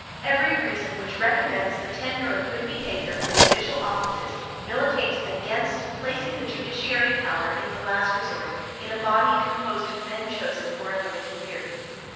Every reason which recommends the tenure of good behavior for judicial offices, militates against placing the judiciary power, in the last resort, in a body composed of men chosen for a limited period.